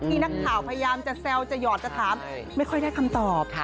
นักข่าวพยายามจะแซวจะหยอดจะถามไม่ค่อยได้คำตอบ